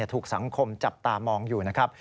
ถูกสังคมจับตามองอยู่นะครับ